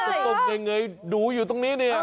ต้มเงยดูอยู่ตรงนี้เนี่ย